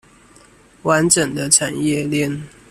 完整的產業鏈